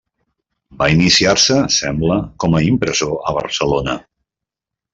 Va iniciar-se, sembla, com a impressor a Barcelona.